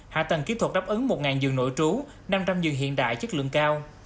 hạ tầng kỹ thuật đáp ứng một giường nổi trú năm trăm linh giường hiện đại chất lượng cao